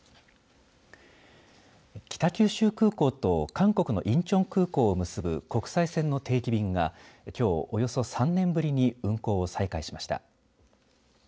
北九州空港と韓国のインチョン空港を結ぶ国際線の定期便がきょうおよそ３年ぶりに運航を再開しました。